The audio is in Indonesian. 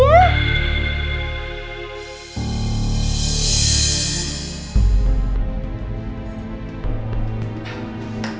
sampai ketemu lagi